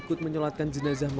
hukum semur hidup